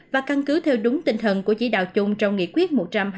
và căn cứ theo đúng tinh thần của chỉ đạo chung trong nghị quyết một trăm hai mươi